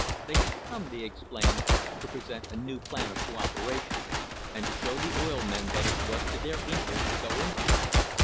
They had come, they explained, to present a new plan of co operation, and to show the oil men that it was to their interest to go into it.